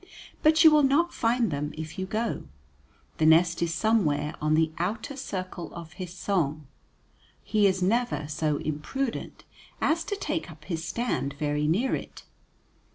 But you will not find them if you go. The nest is somewhere on the outer circle of his song; he is never so imprudent as to take up his stand very near it.